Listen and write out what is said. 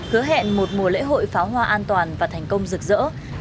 hứa hẹn một mùa lễ hội pháo hoa an toàn và thành công rực rỡ